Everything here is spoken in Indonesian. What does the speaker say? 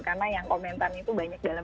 karena yang komentarnya itu banyak dalam